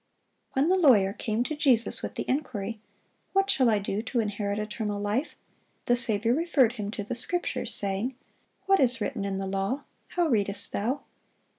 When the lawyer came to Jesus with the inquiry, "What shall I do to inherit eternal life?" the Saviour referred him to the Scriptures, saying, "What is written in the law? how readest thou?"